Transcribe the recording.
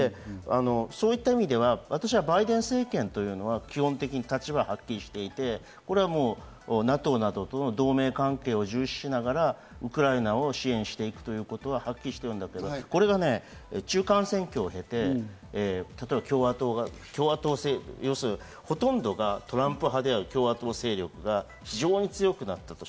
そういった意味では私はバイデン政権は基本的に立場ははっきりしていて、ＮＡＴＯなどとの同盟関係を重視しながらウクライナを支援していくということははっきりしてるんだけど、中間選挙を経て、例えば共和党、ほとんどがトランプ派である共和党勢力が非常に強くなったと。